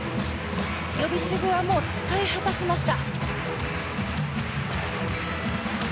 予備手具はもう使い果たしました。